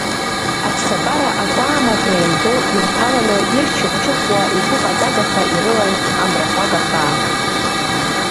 Аԥсабара акәаамаӷра еимдо ирҭаланы, ирчыхә-чыхәуа, игәыҟаҵагаха ирылан амрахәага хаа.